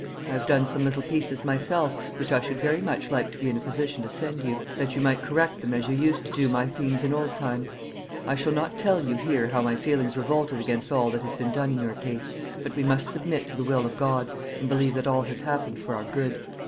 I have done some little pieces myself, which I should very much like to be in a position to send you, that you might correct them as you used to do my themes in old times. I shall not tell you here how my feelings revolted against all that has been done in your case, but we must submit to the will of God and believe that all has happened for our good.